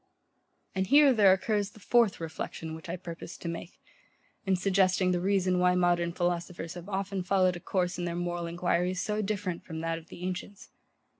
And here there occurs the FOURTH reflection which I purposed to make, in suggesting the reason why modern philosophers have often followed a course in their moral enquiries so different from that of the ancients.